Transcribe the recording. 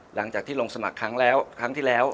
หลังจากที่ลงสมัครครั้งที่แล้ว